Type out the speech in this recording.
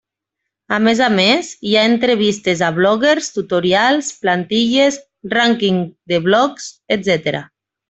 A més a més, hi ha entrevistes a bloguers, tutorials, plantilles, rànquing de blogs, etc.